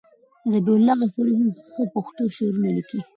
ذبیح الله غفوري هم ښه پښتو شعرونه لیکي.